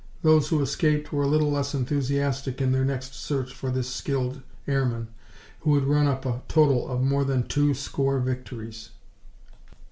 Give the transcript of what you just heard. Those who escaped were a little less enthusiastic in their next search for this skilled airman who had run up a total of more than two score victories.